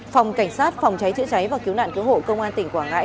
phòng cảnh sát phòng cháy chữa cháy và cứu nạn cứu hộ công an tỉnh quảng ngãi